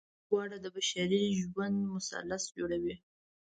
دا درې واړه د بشري ژوند مثلث جوړوي.